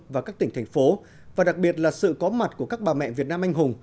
và các tỉnh thành phố và đặc biệt là sự có mặt của các bà mẹ việt nam anh hùng